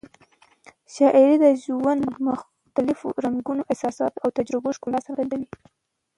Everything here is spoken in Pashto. شاعري د ژوند مختلفو رنګونو، احساساتو او تجربو ښکلا څرګندوي.